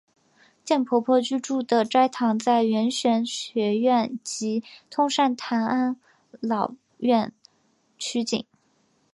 贱婆婆居住的斋堂在圆玄学院及通善坛安老院取景。